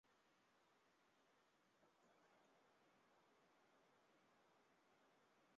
塞尔吉尼奥也立即宣布在本赛季结束后退役。